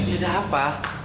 ini ada apa